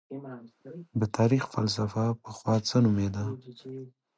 د تاريخ فلسفه پخوا څه نومېده؟